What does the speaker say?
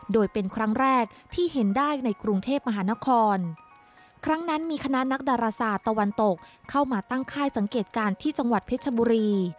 โดยเป็นครั้งแรกที่เห็นได้ในกรุงเทพมหานครครั้งนั้นมีคณะนักดาราศาสตร์ตะวันตกเข้ามาตั้งค่ายสังเกตการณ์ที่จังหวัดเพชรบุรี